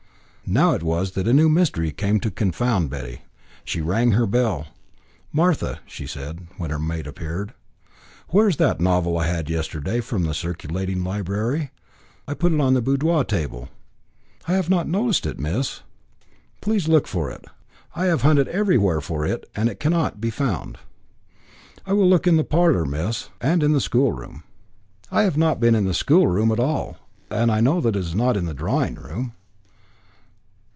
Now it was that a new mystery came to confound Betty. She rang her bell. "Martha," said she, when her maid appeared, "where is that novel I had yesterday from the circulating library? I put it on the boudoir table." "I have not noticed it, miss." "Please look for it. I have hunted everywhere for it, and it cannot be found." "I will look in the parlour, miss, and the schoolroom." "I have not been into the schoolroom at all, and I know that it is not in the drawing room."